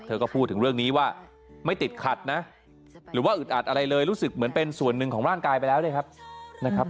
ก็พูดถึงเรื่องนี้ว่าไม่ติดขัดนะหรือว่าอึดอัดอะไรเลยรู้สึกเหมือนเป็นส่วนหนึ่งของร่างกายไปแล้วด้วยครับนะครับ